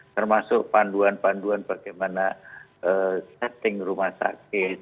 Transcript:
termasuk panduan panduan bagaimana setting rumah sakit